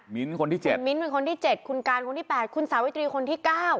คนที่๗คุณมิ้นเป็นคนที่๗คุณการคนที่๘คุณสาวิตรีคนที่๙